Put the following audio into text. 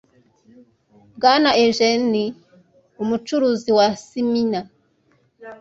Bwana Eugenides umucuruzi wa Smyrna